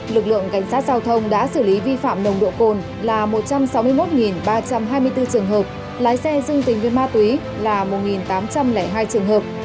lực lượng cảnh sát giao thông đã xử lý vi phạm nồng độ cồn là một trăm sáu mươi một ba trăm hai mươi bốn trường hợp lái xe dương tính với ma túy là một tám trăm linh hai trường hợp